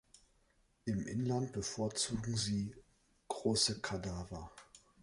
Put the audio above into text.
Im Inland bevorzugen Sie große Kadaver.